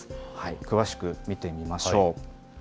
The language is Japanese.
詳しく見てみましょう。